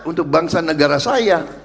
untuk bangsa negara saya